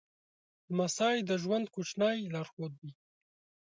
لمسی د ژوند کوچنی لارښود وي.